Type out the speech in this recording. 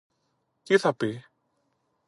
Τι θα πει;